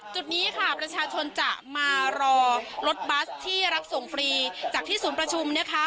จุดนี้ค่ะประชาชนจะมารอรถบัสที่รับส่งฟรีจากที่ศูนย์ประชุมนะคะ